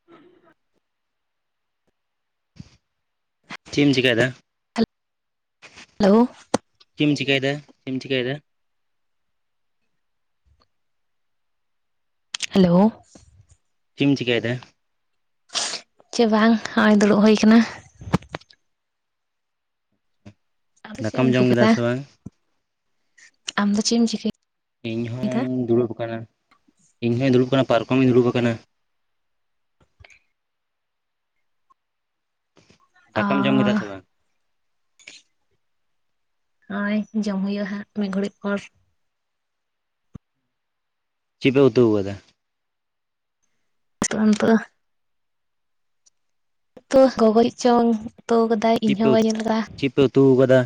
[inaudible] ᱪᱤᱢ ᱪᱤᱠᱟᱭ ᱫᱟ? Hello hello ᱪᱢ ᱪᱤᱠᱟᱹᱭᱫᱟ? ᱪᱮᱢ ᱪᱤᱠᱟᱹᱭᱫᱟ? ᱦᱮᱞᱳ ᱪᱮᱢ ᱪᱤᱠᱟᱹᱭᱫᱟ? ᱪᱮ ᱵᱟᱝ ᱱᱚᱜᱼᱚᱭ ᱫᱩᱲᱩᱵ ᱦᱩᱭ ᱟᱠᱟᱱᱟ᱾ ᱟᱫᱚ ᱫᱟᱠᱟᱢ ᱪᱮᱢ ᱡᱚᱢ ᱠᱮᱫᱟ ᱪᱤᱠᱫᱟ, ᱥᱮ ᱵᱟᱝ ᱟᱢ ᱫᱚ ᱪᱮᱢ ᱪᱤᱠᱟ ᱮᱫᱟ? ᱤᱧ ᱦᱚᱧ ᱫᱩᱲᱩᱵ ᱠᱟᱱᱟ᱾ ᱤᱧ ᱦᱚᱧ ᱫᱩᱲᱩᱵ ᱠᱟᱱᱟ᱾᱾ ᱯᱟᱨᱠᱚᱢ ᱨᱤᱧ ᱫᱩᱲᱩᱵ ᱠᱟᱱᱟ᱾ ᱚ ᱫᱟᱠᱟᱢ ᱡᱚᱢ ᱠᱮᱫᱟ ᱥᱮ ᱵᱟᱝ? ᱦᱳᱭ ᱡᱚᱢ ᱦᱩᱭᱩᱜᱼᱟ ᱦᱟᱸᱜ ᱢᱤᱫ ᱜᱷᱟᱹᱲᱤ ᱯᱚᱨ᱾ ᱪᱤᱜ ᱯᱮ ᱩᱛᱩ ᱠᱟᱫᱟ? [inaudible] ᱛᱚ ᱜᱚᱜᱚᱡ ᱪᱚᱝ ᱩᱛᱩᱟᱹᱣ ᱠᱟᱫ [unintelligible] ᱪᱤᱜ ᱯᱮ ᱩᱛ, ᱪᱤᱜ ᱯᱮ ᱩᱛᱩ ᱠᱟᱫᱟ?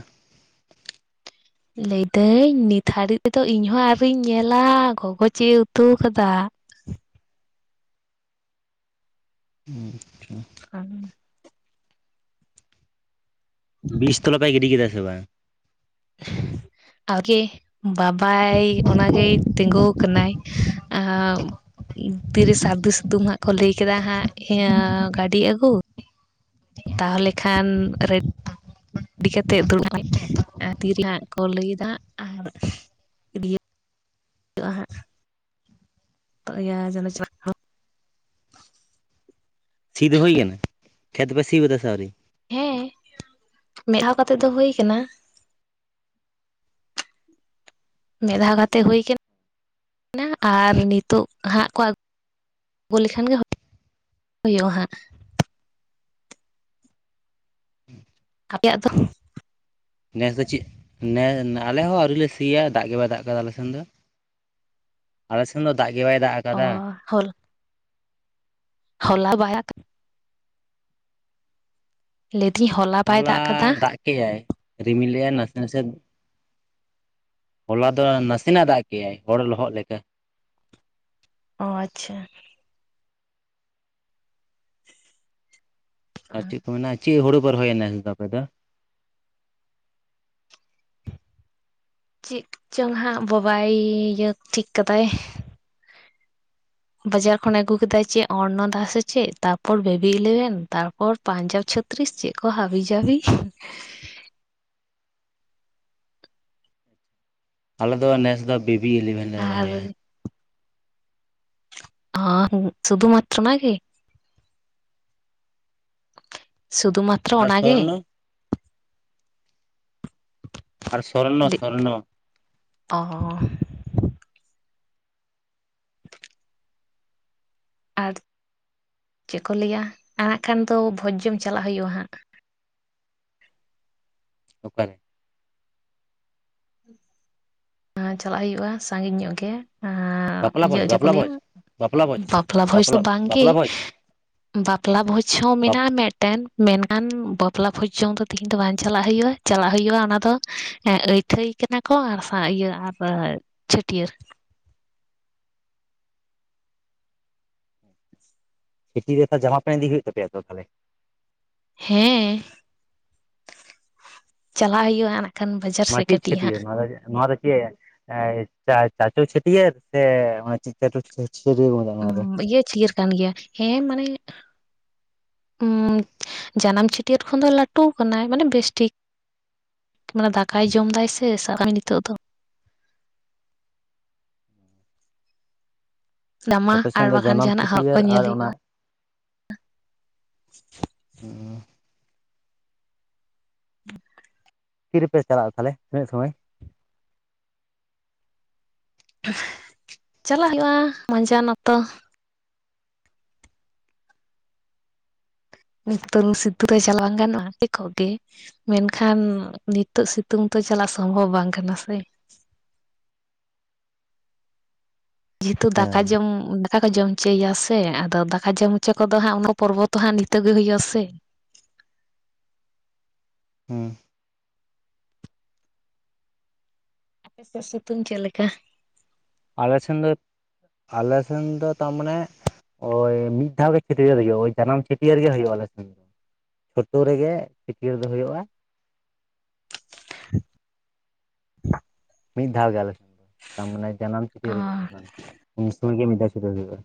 ᱞᱟᱹᱭ ᱫᱟᱹᱧ ᱱᱤᱛ ᱦᱟᱹᱲᱤᱡ ᱛᱮ ᱫᱚ ᱤᱧ ᱦᱚᱸ ᱟᱨᱚᱧ ᱧᱮᱞᱟ, ᱜᱚᱜᱚ ᱪᱮᱜ ᱮ ᱩᱛᱩ ᱠᱟᱫᱟ᱾ [inaudible] [inaudible] ᱵᱤᱥ ᱛᱞᱟᱯᱮ ᱜᱤᱰᱤ ᱠᱮᱫᱟ ᱥᱮ ᱵᱟᱝ? ᱟᱜᱮᱭ ᱵᱟᱵᱟᱭ ᱚᱱᱟ ᱜᱮᱭ ᱛᱮᱸᱜᱳ ᱠᱟᱱᱟᱭ ᱟᱜᱜ ᱛᱤᱨᱮ ᱥᱟᱹᱨᱫᱩ ᱥᱤᱛᱩᱝ ᱦᱟᱸᱜ ᱠᱚ ᱞᱟᱹᱭ ᱠᱟᱫᱟ ᱦᱟᱸᱜ ᱤᱭᱟ ᱜᱟᱹᱰᱤ ᱟᱜ ᱛᱟᱦᱚᱞᱮ ᱠᱷᱟᱱ ᱨᱮ ᱨᱮᱰᱤ ᱠᱟᱛᱮᱫ ᱫᱩᱲᱩᱵ [unintelligible] ᱛᱤᱨᱮᱱᱟᱜ ᱠᱚ ᱞᱟᱹᱭᱫᱟ ᱟᱨ ᱤᱭᱟᱹ ᱦᱟᱸᱜ [unintelligible] ᱡ ᱪ [unintelligible] ᱥᱤ ᱫᱚ ᱦᱩᱭ ᱠᱟᱱᱟ ᱠᱷᱮᱛ ᱯᱮ ᱥᱤ ᱠᱟᱫᱟ ᱥᱮ ᱟᱣᱨᱤ? ᱦᱮᱸ ᱢᱮᱫ ᱫᱦᱟᱣ ᱠᱟᱛᱮᱜ ᱫᱚ ᱦᱩᱭ ᱠᱟᱱᱟ᱾ ᱢᱤᱫ ᱫᱷᱟᱣ ᱠᱟᱛᱮ ᱦᱳᱭ ᱟᱠᱟᱱᱟ᱾ ᱱᱟ ᱟᱨ ᱱᱤᱛᱚᱜ ᱦᱟᱸᱜ ᱠᱚ ᱟᱹᱜᱩ ᱞᱮᱠᱷᱟᱱ ᱜᱮ ᱦᱩᱭ ᱦᱳᱭᱩᱜᱼᱟ ᱦᱟᱸᱜ ᱟᱯᱮᱭᱟᱜ ᱫᱚ? ᱱᱮᱥ ᱫᱚ ᱪᱤᱜ ᱱᱮᱸᱻ ᱟᱞᱮ ᱦᱚᱸ ᱟᱹᱣᱨᱤ ᱞᱮ ᱥᱤ ᱥᱤᱭᱟ ᱫᱟᱜ ᱜᱮ ᱵᱟᱭ ᱫᱟᱜ ᱠᱟᱫᱟ ᱟᱞᱮ ᱥᱮᱱ ᱫᱚ, ᱟᱞᱮ ᱥᱮᱱ ᱫᱚ ᱫᱟᱜ ᱜᱮ ᱵᱟᱭ ᱫᱟᱜ ᱟᱠᱟᱫᱟ ᱚᱸ ᱦᱚᱞ ᱦᱚᱞᱟ ᱵᱟᱭᱟ [unintelligible] ᱞᱮᱭ ᱫᱤᱧ ᱦᱚᱞᱟ ᱵᱟᱭ ᱦᱚᱞᱟ ᱫᱟᱜ ᱠᱟᱫᱟ ᱫᱟᱜ ᱠᱮᱜᱭᱟᱭ ᱨᱤᱢᱤᱞ ᱞᱟᱭ ᱱᱟᱥᱮ-ᱱᱟᱥᱮ ᱦᱚᱞᱟ ᱫᱚ ᱱᱟᱥᱮ ᱱᱟᱜ ᱫᱟᱜ ᱠᱮᱜᱼᱟᱭ ᱦᱚᱲ ᱞᱚᱦᱚᱫ ᱞᱮᱠᱟ᱾ ᱚ ᱟᱪᱪᱷᱟ ᱟᱨ ᱪᱤᱜ ᱠᱚ ᱢᱮᱱᱟ, ᱪᱤᱜ ᱦᱩᱲᱩ ᱯᱮ ᱨᱚᱦᱚᱭᱟ ᱟᱯᱮ ᱫᱚ ᱱᱮᱥ ᱫᱚ? ᱪᱤᱜ ᱪᱚᱝ ᱦᱟᱸᱜ ᱵᱳᱵᱟᱭ ᱤᱭᱟᱹ ᱴᱷᱤᱠ ᱟᱫᱟᱭ᱾ ᱵᱟᱡᱟᱨ ᱠᱷᱚᱱᱮ ᱟᱹᱜᱩ ᱠᱮᱫᱟᱭ ᱪᱮᱫ ᱚᱨᱱᱚᱫᱟ ᱥᱮ ᱪᱮᱫ ᱛᱟᱨᱯᱚᱨ ᱵᱮᱵᱤ ᱤᱞᱮᱵᱷᱮᱱ ᱛᱟᱨᱯᱚᱨ ᱯᱟᱧᱡᱟᱵᱽ ᱪᱷᱚᱛᱨᱤᱥ ᱪᱮᱫ ᱠᱚ ᱦᱟᱹᱵᱤ ᱡᱟᱹᱵᱤᱡ᱾ ᱟᱞᱮ ᱫᱚ ᱱᱮᱥ ᱫᱚ ᱵᱤᱵᱤ ᱤᱞᱤᱵᱷᱮᱱ ᱞᱮ ᱟᱨ ᱨᱚᱦᱚᱭᱟ᱾ ᱚ ᱥᱩᱫᱩ ᱢᱟᱛᱨᱚ ᱚᱱᱟ ᱜᱤ? ᱥᱩᱫᱩ ᱢᱟᱛ ᱟᱨ ᱥᱚᱨᱱᱚ ᱟᱨ ᱥᱚᱨᱱᱚ ᱥᱚᱨᱱᱚ ᱚᱻ ᱟᱨ ᱪᱮᱫ ᱠᱚ ᱞᱟᱹᱭᱟ ᱟᱜ ᱠᱷᱟᱱ ᱫᱚ ᱵᱷᱚᱡᱽ ᱡᱚᱢ ᱪᱟᱞᱟᱜ ᱦᱳᱭᱩᱜᱼᱟ ᱦᱟᱸᱜ ᱚᱠᱟ ᱨᱮ? ᱟ ᱪᱟᱞᱟᱜ ᱦᱩᱭᱩᱜᱼᱟ ᱥᱟᱸᱜᱤᱧ ᱧᱚᱜ ᱜᱮ ᱟᱻ ᱵᱟᱯᱞᱟ ᱤᱭᱟᱹ ᱵᱷᱚᱡᱽ ᱡᱮ ᱠᱚ ᱵᱟᱯᱞᱟ ᱞᱟᱹᱭᱟ ᱵᱷᱚᱡᱽ ᱵᱟᱯᱞᱟ ᱵᱷᱚᱡᱽ ᱵᱟᱯᱞᱟ ᱵᱷᱚᱡ ᱫᱚ ᱵᱟᱝᱜᱮ ᱵᱟᱯᱞᱟ ᱵᱷᱚᱡᱽ ᱵᱟᱯᱞᱟ ᱵᱷᱚᱡᱽ ᱦᱚᱸ ᱢᱮᱱᱟᱜᱼᱟ ᱢᱮᱴᱮᱱ ᱢᱮᱱᱠᱷᱟᱱ ᱵᱟᱯᱞᱟ ᱵᱷᱚᱡᱽ ᱡᱚᱢ ᱫᱚ ᱛᱤᱦᱤᱧ ᱫᱚ ᱵᱟᱝ ᱪᱟᱞᱟᱜ ᱦᱩᱭᱩᱜᱼᱟ ᱪᱟᱞᱟᱜ ᱦᱩᱭᱩᱜᱼᱟ ᱚᱱᱟ ᱫᱚ ᱟᱹᱭᱴᱷᱟᱹᱭ ᱠᱟᱱᱟ ᱠᱚ ᱟᱨ ᱤᱭᱟᱹ ᱟᱨ ᱪᱷᱟᱹᱴᱭᱟᱹᱨ ᱪᱷᱤᱴᱤ ᱨᱮ ᱛᱚ ᱡᱟᱢᱟ ᱯᱮᱱ ᱤᱫᱤ ᱦᱩᱭᱩᱜ ᱛᱟᱯᱭᱟ ᱛᱚ ᱛᱟᱦᱟᱞᱮ ᱦᱮᱸ ᱪᱟᱞᱟᱜ ᱦᱩᱭᱩᱜ ᱱᱟᱜ ᱠᱷᱟᱱ ᱵᱟᱡᱟᱨ ᱥᱮᱫ ᱢᱟᱱᱢᱤ ᱠᱟᱹᱴᱤᱡ ᱪᱷᱤᱴᱭᱟᱹᱨ ᱦᱟᱸᱜ ᱱᱚᱣᱟ ᱫᱚ ᱱᱚᱣᱟ ᱫᱚ ᱪᱮᱜ ᱮᱸ ᱪᱟ ᱪᱟᱪᱳ ᱪᱷᱟᱹᱴᱭᱟᱹᱨ ᱥᱮ [unintelligible] ᱱᱚᱣᱟ ᱫᱚ ᱵᱤᱭᱟᱹ ᱪᱷᱤᱭᱟᱹᱨ ᱠᱟᱱ ᱜᱮᱭᱟ ᱦᱮᱸ ᱢᱟᱱᱮ ᱩᱸ ᱡᱟᱱᱟᱢ ᱪᱷᱟᱹᱴᱭᱟᱹᱨ ᱠᱷᱚᱱ ᱫᱚ ᱞᱟᱹᱴᱩ ᱠᱟᱱᱟᱭ ᱢᱟᱱᱮ ᱵᱮᱥ ᱴᱷᱤᱠ ᱢᱟᱱᱮ ᱫᱟᱠᱟᱭ ᱡᱚᱢᱫᱟᱭ ᱥᱮ ᱥᱟᱵ ᱠᱟᱜᱢᱮ ᱱᱤᱛᱳᱜ ᱫᱚ ᱡᱟᱢᱟ ᱟᱯᱮ ᱥᱮᱱ ᱟᱨ ᱫᱚ ᱵᱟᱠᱷᱟᱱ ᱡᱟᱱᱟᱢ ᱡᱟᱦᱟᱱᱟᱜ ᱦᱚᱜ ᱠᱚ ᱪᱷᱟᱹᱴᱭᱟᱹᱨ ᱧᱮᱞ ᱟᱨ ᱚᱱᱟ ᱦᱩᱭᱩᱜᱼᱟ ᱚ ᱦ [unintelligible] ᱛᱤ ᱨᱮᱯᱮ ᱪᱟᱞᱟᱜ ᱛᱟᱦᱟᱞᱮ ᱛᱤᱱᱟᱹᱜ ᱥᱚᱢᱚᱭ? ᱪᱟᱞᱟᱜ ᱦᱩᱭᱩᱜᱼᱟ ᱢᱟᱡᱟᱱ ᱚᱠᱛᱚ ᱢᱤᱫ ᱛᱳᱞ ᱥᱤᱛᱩ [unintelligible] ᱜᱮ ᱢᱮᱱᱠᱷᱟᱱ ᱱᱤᱛᱚᱜ ᱥᱤᱛᱩᱝ ᱛᱚ ᱪᱟᱞᱟᱜ ᱥᱚᱢᱵᱷᱚᱵ ᱵᱟᱝ ᱠᱟᱱᱟ ᱥᱮ ᱡᱮᱦᱮᱛᱩ ᱫᱟᱠᱟ ᱦᱮᱸ ᱡᱚᱢ ᱠᱟ ᱠᱚ ᱡᱚᱢ ᱪᱚᱭᱭᱟ ᱥᱮ ᱟᱫᱚ ᱫᱟᱠᱟ ᱡᱚᱢ ᱚᱪᱚ ᱠᱚᱫᱚ ᱦᱟᱸᱜ ᱚᱱᱟ ᱯᱚᱨᱵᱚ ᱛᱚ ᱦᱟᱸᱜ ᱱᱤᱛᱟᱹᱜᱮ ᱦᱩᱭᱩᱜᱼᱟ ᱥᱮ ᱦᱮᱸ ᱟᱯᱮ ᱥᱮᱫ ᱥᱤᱛᱩᱝ ᱪᱮᱫ ᱞᱮᱠᱟ? ᱟᱞᱮ ᱥᱮᱱ ᱫᱚ ᱟᱞᱮ ᱥᱮᱱ ᱫᱚ ᱛᱟᱨᱢᱟᱱᱮ ᱦᱳᱭ ᱢᱤᱫ ᱫᱷᱟᱣ ᱜᱮ ᱪᱷᱟ. ᱴᱭᱟᱹᱨ ᱦᱳᱭᱳᱜᱼᱟ ᱡᱟᱱᱟᱢ ᱪᱷᱟᱹᱴᱭᱟᱹᱨ ᱜᱮ ᱦᱩᱭᱩᱜᱼᱟ ᱟᱞᱮ ᱥᱮᱱ ᱪᱷᱳᱴᱳ ᱨᱮᱜᱮ ᱪᱷᱟ. ᱴᱭᱟ. ᱨ ᱫᱚ ᱦᱩᱭᱩᱜᱼᱟ ᱵᱟ ᱢᱤᱫ ᱫᱷᱟᱣ ᱜᱮ ᱟᱞᱮ ᱥᱮᱱ ᱫᱚ ᱛᱟᱨ ᱢᱟᱱᱮ ᱡᱟᱱᱟᱢ ᱪᱷᱟ. ᱚ ᱴᱭᱟᱹᱨ ᱜᱮ ᱦᱩᱭᱩᱜ-ᱟ ᱩᱱ ᱥᱳᱢᱚᱭ ᱜᱮ ᱢᱤᱫ ᱫᱷᱟᱣ ᱪᱷᱟ. ᱴᱭᱟᱹᱨ ᱦᱩᱭᱩᱜᱼᱟ᱾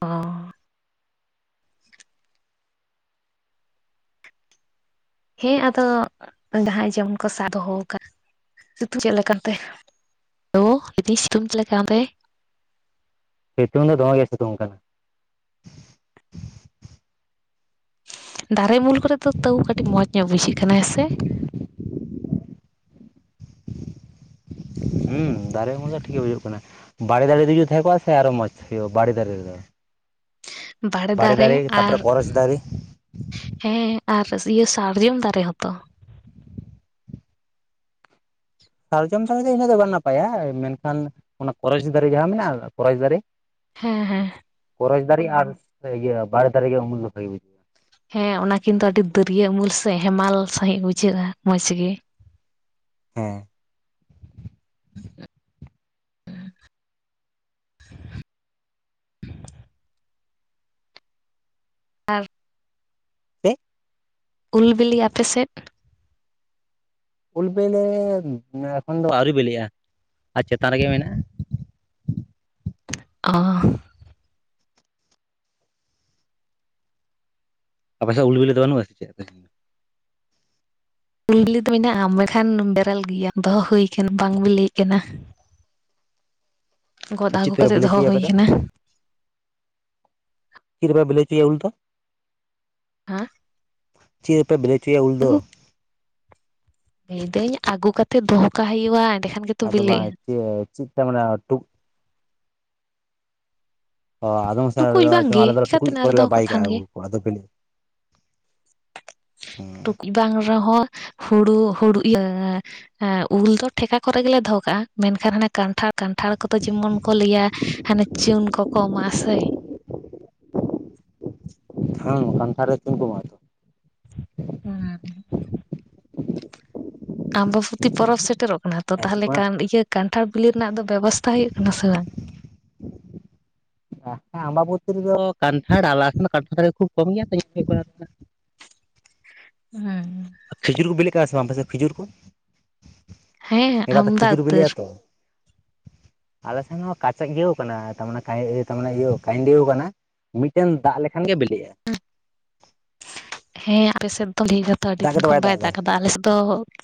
ᱚ ᱦᱮᱸ ᱟᱫᱚ ᱡᱟᱦᱟᱸᱭ ᱡᱮᱢᱚᱱ ᱠᱚ ᱥᱟᱵ ᱫᱚᱦᱚ ᱟᱠᱟᱫ ᱥᱤᱛᱩ ᱪᱮᱫ ᱞᱮᱠᱟᱛᱮ? ᱞᱳ ᱤᱛᱩ ᱥᱤᱛᱩᱝ ᱪᱮᱫ ᱞᱮᱠᱟ ᱚᱱᱛᱮ? ᱥᱤᱛᱩᱝ ᱫᱚ ᱫᱚᱢᱮᱜᱮ ᱥᱤᱛᱩᱝ ᱠᱟᱱᱟ ᱫᱟᱨᱮ ᱩᱢᱩᱞ ᱠᱚᱨᱮ ᱫᱚ ᱛᱟᱹᱣ ᱠᱟᱹᱴᱤᱡ ᱢᱚᱡᱽ ᱧᱚᱜ ᱵᱩᱡᱷᱟᱹᱜ ᱠᱟᱱᱟ ᱦᱮᱥᱮ? ᱦᱮᱸ ᱫᱟᱨᱮ ᱩᱢᱩᱞ ᱫᱚ ᱴᱷᱤᱠ ᱜᱮ ᱵᱩᱡᱩᱜ ᱠᱟᱱᱟ᱾ ᱵᱟᱲᱮ ᱫᱟᱨᱮ ᱡᱩᱫᱤ ᱛᱟᱦᱮᱸ ᱠᱚᱜᱼᱟ ᱥᱮ ᱟᱨᱚ ᱢᱚᱸᱡᱽ ᱦᱩᱭᱩᱜᱼᱟ ᱵᱟᱲᱮ ᱫᱟᱨᱮ ᱨᱮᱫᱚ ᱵᱟᱲᱮ ᱫᱟᱲᱮ ᱫᱟᱨᱮ ᱛᱟᱯᱚᱨᱮ ᱟᱨ ᱠᱚᱨᱚᱪ ᱫᱟᱨᱮ ᱦᱮᱸ ᱟᱨ ᱤᱭᱟᱹ ᱥᱟᱨᱡᱚᱢ ᱫᱟᱨᱮ ᱦᱚᱸᱛᱚ ᱥᱟᱨᱡᱚᱢ ᱫᱟᱨᱮ ᱫᱚ ᱤᱱᱟᱹᱜ ᱫᱚ ᱵᱟᱝ ᱱᱟᱯᱟᱭᱟ ᱢᱮᱱᱠᱷᱟᱱ ᱚᱱᱟ ᱠᱚᱨᱚᱪ ᱫᱟᱨᱮ ᱡᱟᱦᱟᱸ ᱢᱮᱱᱟᱜᱼᱟ ᱠᱚᱨᱚᱪ ᱫᱟᱨᱮ ᱦᱮᱸ ᱦᱮᱸ ᱠᱚᱨᱚᱪ ᱫᱟᱨᱮ ᱟᱨ ᱤᱭᱟᱹ ᱵᱟᱲᱮ ᱫᱟᱨᱮ ᱜᱮ ᱩᱢᱩᱞ ᱫᱚ ᱵᱷᱟᱜᱤ ᱵᱩᱡᱷᱟᱹᱜ ᱦᱮᱸ ᱚᱱᱟ ᱠᱤᱱᱫᱚ ᱟᱹᱰᱤ ᱫᱟᱹᱨᱭᱟᱹ ᱩᱢᱩᱞ ᱥᱮ ᱦᱮᱢᱟᱞ ᱥᱟᱹᱦᱤᱡ ᱵᱩᱡᱷᱟᱹᱜᱼᱟ ᱢᱚᱡᱽ ᱜᱮ ᱾ ᱦᱮᱸ ᱦᱮᱸ [unintelligible] [unintelligible] ᱟᱨᱼᱼ ᱛᱮ ᱩᱞ ᱵᱤᱞᱤ ᱟᱯᱮᱥᱮᱫᱼᱼ ᱩᱞ ᱵᱤᱞᱤ ᱮᱠᱷᱚᱱ ᱫᱚ ᱟᱹᱣᱨᱤ ᱵᱤᱞᱤᱜᱼᱟ ᱟᱨ ᱪᱮᱛᱟᱱ ᱨᱮᱜᱮ ᱢᱮᱱᱟᱜᱼᱟ ᱾ ᱚ [unintelligible] ᱟᱯᱮᱥᱮᱫ ᱩᱞ ᱵᱤᱞᱤ ᱫᱚ ᱵᱟᱹᱱᱩᱜ ᱟᱥᱮ ᱪᱮᱫ? ᱫᱚ? ᱩᱞ ᱵᱤᱞᱤ ᱫᱚ ᱢᱮᱱᱟᱜᱼᱟ ᱢᱮᱱᱠᱷᱟᱱ ᱵᱮᱨᱮᱞ ᱜᱮᱭᱟ ᱫᱚᱦᱚ ᱦᱩᱭ ᱟᱠᱟᱱᱟ ᱵᱟᱝ ᱵᱤᱞᱤ ᱭᱟᱠᱟᱱᱟ ᱾ ᱟᱨ ᱪᱮᱫ ᱟᱹᱜᱩ ᱛᱮᱯᱮ ᱠᱟᱛᱮ ᱵᱤᱞᱤ ᱫᱚᱦᱚ ᱦᱚᱸᱪᱚᱭᱟ ᱟᱯᱮ ᱦᱩᱭ ᱫᱚ? ᱠᱟᱱᱟ ᱪᱮᱫ ᱨᱮᱯᱮ ᱵᱤᱞᱤ ᱦᱚᱸᱪᱚᱭᱟ ᱩᱞ ᱫᱚ? ᱦᱮᱸ ᱪᱮᱫ ᱨᱮᱯᱮ ᱵᱤᱞᱤ ᱦᱚᱪᱚᱭᱟ ᱩᱞ ᱫᱚ? ᱛᱮᱦᱮᱧ ᱟᱹᱜᱩ ᱠᱟᱛᱮ ᱫᱚᱦᱚ ᱠᱟᱜ ᱦᱩᱭᱩᱜᱼᱟ ᱾ ᱟᱫᱚ ᱵᱟᱝ ᱪᱮᱫ ᱪᱮᱫ ᱛᱮ ᱢᱟᱱᱮ ᱴᱩᱼᱼ ᱚ ᱟᱫᱚᱢ ᱴᱩᱠᱩᱡ ᱢᱟᱥᱟᱨᱚᱱ ᱵᱟᱝᱜᱮ ᱟᱞᱮ ᱫᱚ ᱪᱤᱠᱟᱛᱮ ᱴᱩᱠᱩᱡ ᱟᱨ ᱠᱚᱨᱮ ᱞᱮ ᱫᱚᱦᱚ ᱵᱟᱭ ᱠᱟᱜ ᱠᱷᱟᱱ ᱠᱟᱜᱼᱟ ᱜᱮ ᱾ ᱟᱫᱚ ᱯᱮᱱ ᱦᱩᱸ ᱴᱩᱠᱩᱡ ᱵᱟᱝ ᱨᱮᱦᱚᱸᱼᱼ ᱦᱩᱲᱩ ᱦᱩᱲᱩ ᱤᱭᱟᱹ ᱩᱞ ᱫᱚ ᱴᱷᱮᱠᱟ ᱠᱚᱨᱮ ᱜᱮᱞᱮ ᱫᱚᱦᱚ ᱠᱟᱜᱼᱟ, ᱢᱮᱱᱠᱷᱟᱱ ᱦᱟᱱᱮ ᱠᱟᱱᱴᱷᱟᱲᱼᱼ ᱠᱟᱱᱴᱷᱟᱲ ᱠᱚᱫᱚ ᱡᱮᱢᱚᱱ ᱠᱚ ᱞᱟᱹᱭᱟ ᱦᱟᱱᱮ ᱪᱩᱱ ᱠᱚᱠᱚ ᱮᱢᱟᱜᱼᱟ ᱥᱮ ᱾ ᱦᱮᱸ ᱠᱟᱱᱴᱷᱟᱨ ᱨᱮ ᱪᱩᱱᱠᱚ ᱮᱢᱟᱜᱼᱟ ᱾ ᱦᱩᱸ ᱟᱢᱵᱟᱵᱚᱛᱤ ᱯᱚᱨᱚᱵᱽ ᱥᱮᱴᱮᱨᱚᱜ ᱠᱟᱱᱟ ᱛᱚᱹ ᱟᱨ ᱪᱮᱫ ᱛᱟᱦᱩᱞᱮ ᱠᱚ ᱢᱮᱱᱟᱜ ᱠᱷᱟᱱ ᱠᱟᱱᱴᱷᱟᱲ ᱵᱤᱞᱤ ᱨᱮᱱᱟᱜ ᱫᱚ ᱵᱮᱵᱚᱥᱛᱛᱟ ᱦᱩᱭᱩᱜ ᱠᱟᱱᱟ ᱥᱮ ᱵᱟᱝ ᱾ ᱟᱢᱟᱵᱟᱵᱚᱛᱤ ᱨᱮᱫᱚ ᱠᱟᱱᱴᱷᱟᱲ ᱟᱞᱟ ᱫᱚ ᱠᱟᱱᱴᱷᱟᱲ ᱠᱷᱩᱵ ᱠᱚᱢ ᱜᱮᱭᱟ ᱛᱚ ᱮᱤ ᱦᱩᱭᱩᱜ ᱠᱟᱱᱟ ᱵᱮᱰᱟᱨ ᱾ ᱦᱮᱸ ᱠᱷᱮᱡᱩᱨ ᱵᱤᱞᱤᱜ ᱠᱟᱱᱟ ᱥᱮ ᱵᱟᱝ ᱟᱯᱮᱥᱮᱫ ᱠᱷᱤᱡᱩᱨ ᱠᱚ ᱾ ᱦᱮᱸ ᱮᱜᱟᱛᱮ ᱟᱢᱫᱟ ᱠᱷᱤᱡᱩᱨ ᱩᱛᱟᱹᱨ ᱵᱤᱞᱤᱜᱼᱟ ᱛᱚ ᱿ ᱟᱞᱮ ᱥᱮᱱ ᱦᱚᱸ ᱠᱟᱪᱟᱜᱮᱣ ᱟᱠᱟᱱᱟ ᱛᱟᱨᱢᱟᱱᱮ ᱠᱟᱹᱭ ᱜᱮᱣ ᱤᱭᱟᱹ ᱠᱟᱱᱟ ᱾ ᱢᱤᱫᱴᱮᱱ ᱫᱟᱜ ᱞᱮᱠᱷᱟᱱ ᱜᱮ ᱵᱤᱞᱤᱜᱼᱟ ᱾ ᱦᱮᱸ ᱟᱯᱮᱥᱮᱫ ᱫᱚ ᱱᱤᱭᱟᱹ ᱫᱷᱟᱣ ᱫᱚ ᱟᱹᱰᱤ ᱫᱟᱜ ᱫᱤᱱ ᱜᱮᱛᱚ ᱠᱷᱚᱱ ᱵᱟᱭ ᱫᱟᱜ ᱮᱫᱟ ᱠᱟᱫᱟ, ᱟᱞᱮᱥᱮᱫ ᱫᱚᱼᱼ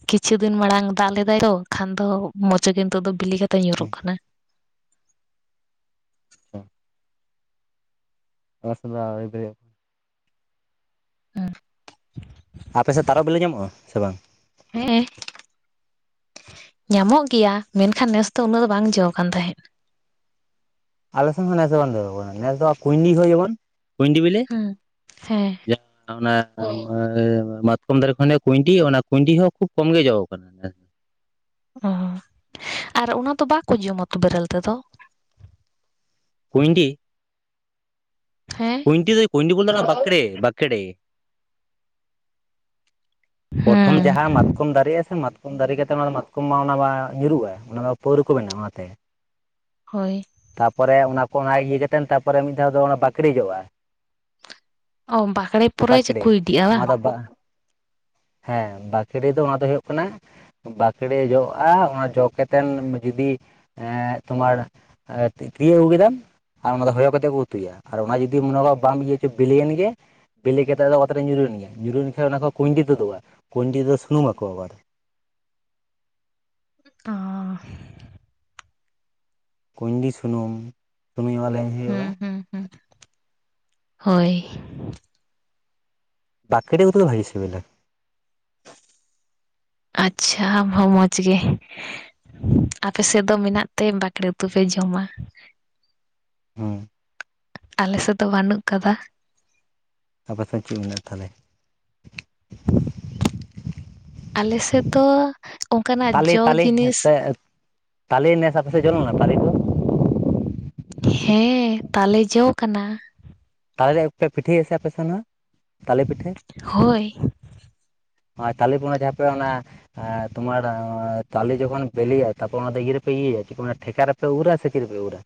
ᱠᱤᱪᱷᱩ ᱫᱤᱱ ᱢᱟᱲᱟᱝ ᱫᱟᱜ ᱞᱮᱫᱟᱭ ᱛᱚ ᱠᱷᱟᱱ ᱫᱚ ᱢᱚᱪᱚ ᱠᱤᱱᱛᱩᱜ ᱫᱚ ᱵᱤᱞᱤ ᱠᱟᱛᱮ ᱧᱩᱨᱩᱜ ᱠᱟᱱᱟ ᱾ [unintelligible] [unintelligible] [unintelligible] ᱟᱯᱮ ᱥᱮᱫ ᱛᱟᱨᱚᱵ ᱵᱤᱞᱤ ᱧᱟᱢᱚᱜᱼᱟ ᱥᱮ ᱵᱟᱝ? ᱦᱮᱸ ᱧᱟᱢᱚᱜ ᱜᱮᱭᱟ ᱢᱮᱱᱠᱷᱟᱱ ᱱᱮᱥ ᱫᱚ ᱩᱱᱟᱹᱜ ᱫᱚ ᱵᱟᱝ ᱡᱚ ᱠᱟᱱ ᱛᱟᱦᱮᱸᱫ ᱾ ᱟᱞᱮ ᱥᱱ ᱦᱚᱸ ᱱᱮᱥ ᱫᱚ ᱵᱟᱝ ᱡᱚ ᱟᱠᱟᱱᱟ, ᱱᱮᱥ ᱫᱚ ᱠᱩᱭᱱᱤ ᱠᱚ ᱡᱮᱢᱚᱱᱼᱼ ᱠᱩᱤᱰᱤ ᱵᱤᱞᱮᱼᱼ ᱦᱩᱸ ᱦᱮᱸ ᱚᱱᱟ ᱢᱟᱛᱠᱚᱢ ᱫᱟᱨᱮ ᱠᱷᱚᱱᱮ ᱠᱩᱭᱸᱰᱤ ᱚᱱᱟ ᱠᱩᱭᱸᱰᱤ ᱦᱚᱸ ᱠᱷᱩᱵ ᱠᱚᱢ ᱜᱮ ᱡᱚ ᱟᱠᱟᱱᱟ ᱾ ᱚ ᱟᱨ ᱚᱱᱟ ᱫᱚ ᱵᱟᱠᱚ ᱡᱚᱢᱟᱛᱚ ᱵᱮᱨᱮᱹᱞ ᱛᱮᱫᱚ ᱾ ᱠᱩᱭᱸᱰᱤᱼᱼ ᱦᱮᱸ ᱾ ᱠᱩᱸᱭᱰᱤ ᱵᱚᱞᱛᱮ ᱫᱚ ᱵᱟᱠᱲᱮ ᱵᱟᱠᱲᱮ ᱯᱨᱚᱛᱷᱚᱢ ᱦᱮᱸ ᱡᱟᱦᱟᱸᱢᱟ ᱢᱟᱛᱠᱚᱢ ᱫᱟᱨᱮᱜᱼᱟ ᱥᱮ ᱢᱟᱛᱠᱚᱢ ᱫᱟᱨᱮ ᱠᱟᱛᱮᱫ ᱚᱱᱟ ᱢᱟᱛᱠᱚᱢ ᱢᱟ ᱚᱱᱟ ᱢᱟ ᱧᱩᱨᱩᱜᱼᱟ᱾ ᱚᱱᱟ ᱢᱟ ᱯᱟᱹᱣᱨᱟᱹ ᱠᱚ ᱵᱮᱱᱟᱜᱼᱟ ᱚᱱᱟᱛᱮ᱾ ᱦᱳᱭ ᱛᱟᱯᱚᱨᱮ ᱚᱱᱟ ᱠᱚ ᱚᱱᱟ ᱤᱭᱟᱹ ᱠᱟᱛᱮᱫ ᱛᱟᱯᱚᱨᱮ ᱢᱤᱫ ᱫᱷᱟᱣ ᱫᱚ ᱚᱱᱟ ᱵᱟᱠᱲᱤᱡᱚᱜᱼᱟ᱾ ᱚ ᱵᱟᱠᱲᱮ ᱯᱚᱨᱮ ᱵᱟᱠᱲᱮ ᱪᱮᱠᱚ ᱤᱫᱤᱜᱼᱟ ᱵᱟᱝ ᱱᱚᱣᱟ ᱫᱚ ᱦᱮᱸ ᱵᱟᱠᱮᱲᱮ ᱫᱚ ᱚᱱᱟ ᱫᱚ ᱦᱩᱭᱩᱜ ᱠᱟᱱᱟ ᱵᱟᱠᱲᱮ ᱡᱚᱜᱼᱟ ᱚᱱᱟ ᱡᱚ ᱠᱟᱛᱮᱱ ᱡᱩᱫᱤ ᱮ ᱛᱳᱢᱟᱨ ᱟᱨ ᱛᱤᱭᱩᱜ ᱟᱜᱩᱠᱮᱫᱟᱢ ᱟᱨ ᱚᱱᱟ ᱫᱚ ᱦᱚᱭᱚ ᱠᱟᱛᱮ ᱠᱚ ᱩᱛᱩᱭᱟ ᱟᱨ ᱚᱱᱟ ᱡᱩᱫᱤ ᱢᱚᱱᱮ ᱠᱚᱣᱟ ᱵᱟᱢ ᱤᱭᱟᱹ ᱦᱚᱪᱚ ᱵᱞᱤᱭᱮᱱ ᱜᱮ ᱵᱤᱞᱤ ᱠᱟᱛᱮᱫ ᱫᱚ ᱚᱛᱨᱮ ᱧᱩᱨᱩᱭᱮᱱ ᱜᱮᱭ ᱧᱩᱨᱩᱭᱮᱱ ᱠᱷᱟᱱᱡ ᱚᱱᱟ ᱠᱷᱚᱱ ᱠᱩᱸᱰᱤ ᱛᱩᱫᱩᱜᱼᱟ᱾ ᱠᱩᱸᱰᱤ ᱫᱚ ᱥᱩᱱᱩᱢ ᱟᱠᱚ ᱚᱠᱟᱟᱨᱮ᱾ ᱚ ᱠᱩᱸᱭᱰᱤ ᱥᱩᱱᱩᱢ ᱥᱩᱱᱩ ᱟᱞᱮᱧ ᱦᱩᱭᱩᱜᱼᱟ᱾ ᱦᱩᱸ ᱦᱩᱸ ᱦᱩᱸ ᱦᱳᱭ ᱵᱟᱠᱮᱲᱮ ᱩᱛᱩ ᱫᱚ ᱵᱷᱟᱹᱜᱤ ᱥᱤᱵᱞᱟ᱾ ᱟᱪᱪᱷᱟ ᱟᱢ ᱦᱚᱸ ᱢᱚᱡᱽ ᱜᱮ᱾ ᱟᱯᱮ ᱥᱮᱫ ᱫᱚ ᱢᱮᱱᱟᱜ ᱛᱮ ᱵᱟᱠᱲᱮ ᱩᱛᱩ ᱯᱮ ᱡᱚᱢᱟ᱾ ᱦᱩᱸ ᱟᱞᱮᱥᱮᱫ ᱫᱚ ᱵᱟᱹᱱᱩᱜ ᱟᱠᱟᱫᱟ᱾ ᱟᱯᱮ ᱥᱮᱫ ᱪᱮᱫ ᱢᱮᱱᱟᱜ-ᱟ ᱛᱟᱦᱚᱞᱮ? ᱟᱞᱮ ᱥᱮᱫ ᱫᱚ ᱚᱱᱠᱟᱱᱟᱜ ᱛᱟᱞᱮ ᱡᱚ ᱡᱤᱱᱤᱥ᱾ ᱛᱟᱞᱮ ᱛᱟᱞᱮ ᱱᱮᱥ ᱟᱯᱮ ᱥᱮᱡ ᱡᱚᱞᱮᱱᱟ ᱛᱟᱞᱮ ᱠᱚ? ᱦᱮᱸ ᱛᱟᱞᱮ ᱡᱚᱣ ᱠᱟᱱᱟ। ᱛᱟᱞᱮ ᱯᱮ ᱯᱤᱴᱷᱟᱹᱭᱟ ᱥᱮ ᱟᱯᱮ ᱥᱮᱱ ᱦᱚᱸ ᱛᱟᱞᱮ ᱯᱤᱴᱷᱟᱹ? ᱦᱳᱭ ᱛᱟᱞᱮ ᱠᱚ ᱦᱟᱜ ᱡᱟᱦᱟᱸ ᱯᱮ ᱚᱱᱟ ᱮᱸᱻ ᱛᱚᱢᱟᱨ ᱛᱟᱞᱮ ᱡᱚᱠᱷᱚᱱ ᱵᱮᱞᱤᱭᱼᱟ᱾ ᱛᱟᱨᱯᱚᱨ ᱚᱱᱟ ᱫᱚ ᱤᱭᱟᱹ ᱨᱮᱯᱮ ᱤᱭᱟᱹᱭᱟ ᱪᱮᱫ ᱠᱚ ᱢᱮᱱ ᱴᱷᱮᱠᱟ ᱨᱮ [unintelligible]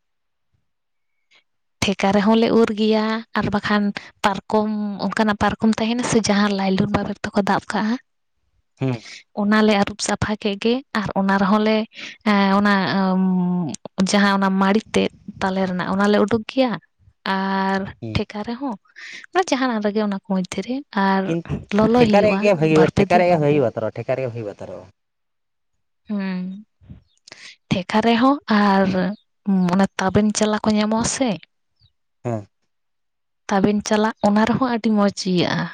ᱴᱷᱮᱠᱟ ᱨᱮᱦᱚᱸ ᱞᱮ ᱩᱨ ᱜᱮᱭᱟ, ᱟᱨ ᱵᱟᱠᱷᱟᱱ ᱯᱟᱨᱠᱚᱢ ᱚᱱᱠᱟᱱᱟᱜ ᱯᱟᱨᱠᱚᱢ ᱛᱟᱦᱮᱱᱟ ᱥᱮ ᱡᱟᱦᱟᱸ ᱞᱟᱭᱞᱩᱱ ᱵᱟᱵᱮᱨ ᱛᱚ ᱠᱚ ᱫᱟᱵ ᱠᱟᱜᱼᱟ᱾ ᱦᱩᱸ᱾ ᱚᱱᱟᱞᱮ ᱟᱹᱨᱩᱵ ᱥᱟᱯᱷᱟ ᱠᱮᱫ ᱜᱮ ᱟᱨ ᱚᱱᱟ ᱨᱮᱦᱚᱸ ᱞᱮ ᱮᱸ ᱚᱱᱟ ᱡᱟᱦᱟᱸ ᱚᱱᱟ ᱢᱟᱹᱲᱤ ᱛᱮᱫ ᱛᱟᱞᱮ ᱨᱮᱱᱟᱜ ᱚᱱᱟᱞᱮ ᱩᱰᱩᱠ ᱜᱮᱭᱟ᱾ ᱟᱨ ᱦᱩᱸ᱾ ᱴᱷᱮᱠᱟ ᱨᱮᱦᱚᱸ ᱢᱟᱱᱮ ᱡᱟᱦᱟᱱᱟᱜ ᱨᱮᱜᱮ ᱚᱱᱟ ᱠᱚ ᱢᱚᱫᱽᱫᱷᱮ ᱨᱮ᱾ ᱟᱨ ᱠᱤᱱᱛᱩ ᱞᱚᱞᱚᱭ ᱴᱷᱮᱠᱟ ᱨᱮᱭᱟᱜ ᱦᱩᱭᱩᱜᱼᱟ ᱜᱮ ᱵᱷᱟᱹᱜ ᱵᱟᱨᱯᱮ ᱴᱷᱮᱠ ᱫᱤᱱ ᱨᱮᱭᱟᱜ ᱜᱮ ᱦᱩᱭᱩᱜ ᱛᱚ ᱴᱷᱮᱠ ᱨᱮᱭᱟᱜ ᱜᱮ ᱦᱩᱭᱩᱜᱼᱟ ᱛᱚᱨᱳ᱾ ᱦᱩᱸ᱾ ᱴᱷᱮᱠᱟ ᱨᱮᱦᱚᱸ ᱟᱨ ᱢᱚᱱᱮ ᱛᱟᱵᱮᱱ ᱪᱟᱞᱟ ᱠᱚ ᱧᱟᱢᱚᱜᱼᱟ ᱥᱮ᱾ ᱦᱮᱸ ᱛᱟᱵᱮᱱ ᱪᱟᱞᱟᱜ ᱚᱱᱟ ᱨᱮᱦᱚᱸ ᱟᱹᱰᱤ ᱢᱚᱡᱽ ᱤᱭᱟᱹᱜᱼᱟ᱾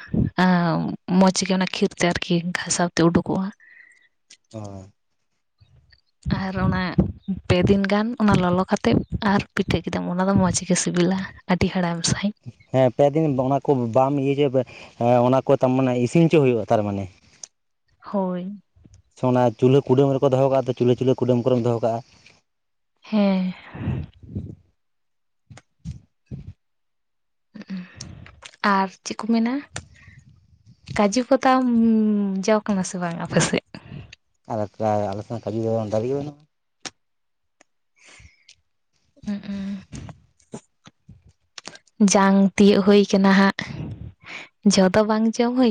ᱟᱸᱻ ᱢᱚᱡᱽ ᱜᱮ ᱚᱱᱟ ᱠᱷᱤᱨ ᱛᱮ ᱟᱨᱠᱤ ᱜᱷᱟᱥᱟᱣ ᱛᱮ ᱩᱰᱩᱠᱚᱜᱼᱟ᱾ ᱚ ᱟᱨ ᱚᱱᱟ ᱯᱮ ᱫᱤᱱ ᱜᱟᱱ ᱚᱱᱟ ᱞᱚᱞᱚ ᱠᱟᱛᱮ, ᱟᱨ ᱯᱤᱴᱷᱟᱹ ᱠᱮᱫᱟᱢ ᱚᱱᱟ ᱫᱚ ᱢᱚᱡᱽ ᱜᱮ ᱥᱤᱵᱤᱞᱟ᱾ ᱟᱹᱰᱤ ᱦᱮᱲᱮᱢ ᱥᱟᱺᱦᱤᱡ᱾ ᱦᱮᱸ ᱯᱮᱫᱤᱱ ᱚᱱᱟ ᱠᱚ ᱵᱟᱢ ᱤᱭᱟᱹ ᱦᱚᱪᱚ ᱚᱱᱟ ᱠᱚ ᱛᱟ ᱢᱟᱱᱮ ᱤᱥᱤᱱ ᱦᱚᱪᱚ ᱦᱩᱭᱩᱜ-ᱟ ᱛᱟᱨᱢᱟᱱᱮ᱾ ᱦᱳᱭ᱾ ᱥᱮ ᱚᱱᱟ ᱪᱩᱞᱦᱟᱹ ᱠᱩᱰᱟᱹᱢ ᱨᱮᱠᱚ ᱫᱚᱦᱚ ᱠᱟᱜ-ᱟ ᱪᱩᱞᱦᱟᱹ ᱪᱩᱞᱦᱟᱹ ᱠᱩᱰᱟᱹᱢ ᱠᱚᱨᱮᱢ ᱫᱚᱦᱚ ᱠᱟᱜ-ᱟ ᱦᱮᱸ ᱟᱨ ᱪᱮᱫ ᱠᱚ ᱢᱮᱱᱟ? ᱠᱟᱡᱩ ᱠᱚᱛᱟᱢ ᱡᱚ ᱠᱟᱱᱟ ᱥᱮ ᱵᱟᱝ ᱟᱯᱮᱥᱮᱫ? ᱟᱞᱮ ᱯᱨᱟᱭ ᱟᱞᱮ ᱥᱮᱱ ᱠᱟᱹᱡᱩ ᱵᱟᱫᱟᱢ ᱫᱟᱨᱮᱜᱮ ᱵᱟᱹᱱᱩᱜ-ᱟ᱾ ᱩ [unintelligible] ᱡᱟᱝ ᱛᱤᱭᱳᱟᱹᱜ ᱦᱩᱭ ᱠᱟᱱᱟ ᱦᱟᱸᱜ, ᱡᱚ ᱫᱚ ᱵᱟᱝ ᱡᱚᱢ ᱦᱩᱭ